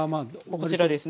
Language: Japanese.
こちらですね。